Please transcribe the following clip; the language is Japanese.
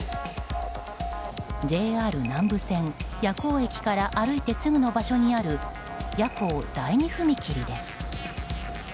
ＪＲ南武線矢向駅から歩いてすぐの場所にある矢向第二踏切です。